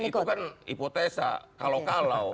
nah itu kan itu kan hipotesa kalau kalau